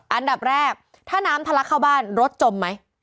อันดับแรกถ้าน้ำทะลักเข้าบ้านรถจมไหม